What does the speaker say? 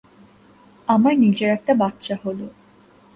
আমার নিজের একটা বাচ্চা হল।